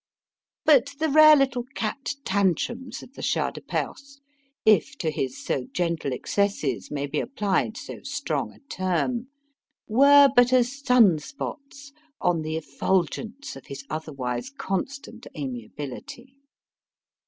But the rare little cat tantrums of the Shah de Perse if to his so gentle excesses may be applied so strong a term were but as sun spots on the effulgence of his otherwise constant amiability.